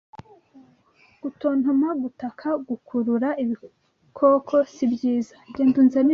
Gutontoma gutaka gukurura ibikoko si byiza